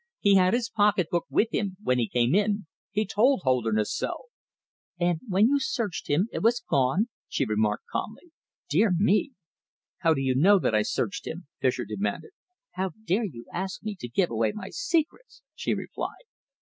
He had his pocketbook with him when he came in he told Holderness so." "And when you searched him it was gone," she remarked calmly. "Dear me!" "How do you know that I searched him?" Fischer demanded. "How dare you ask me to give away my secrets?" she replied.